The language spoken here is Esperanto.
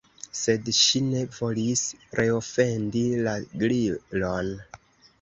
Sed ŝi ne volis reofendi la Gliron.